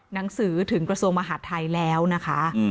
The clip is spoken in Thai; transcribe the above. หนังสือถึงกระทรวงมหาดไทยแล้วนะคะ